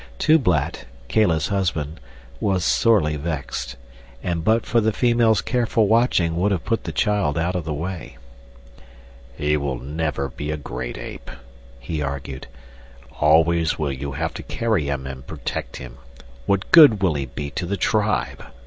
Tublat, Kala's husband, was sorely vexed, and but for the female's careful watching would have put the child out of the way. "He will never be a great ape," he argued. "Always will you have to carry him and protect him. What good will he be to the tribe?